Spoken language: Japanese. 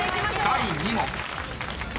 ［第２問］